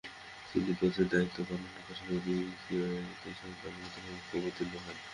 তিনি কোচের দায়িত্ব পালনের পাশাপাশি দ্বিতীয় একাদশের দলনেতার ভূমিকায় অবতীর্ণ হন।